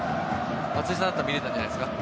松井さんだったら見れたんじゃないですか。